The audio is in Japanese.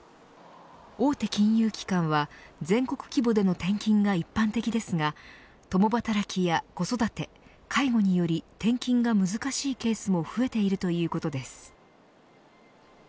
大手金融機関は全国規模での転勤が一般的ですが共働きや子育て介護により転勤が難しいケースも増えているということです。